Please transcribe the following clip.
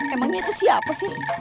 emangnya itu siapa sih